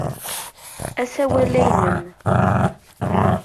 Asawal-a nnem.